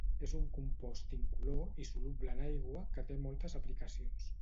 És un compost incolor i soluble en l'aigua que té moltes aplicacions.